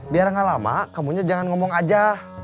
biar gak lama kamunya jangan ngomong aja